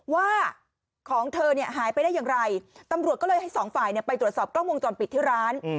ว่าของเธอเนี่ยหายไปได้อย่างไรตำรวจก็เลยให้สองฝ่ายไปตรวจสอบกล้องวงจรปิดที่ร้าน